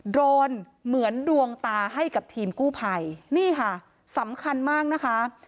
โรนเหมือนดวงตาให้กับทีมกู้ภัยนี่ค่ะสำคัญมากนะคะ